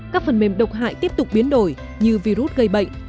các phần mềm độc hại tiếp tục biến đổi như virus gây bệnh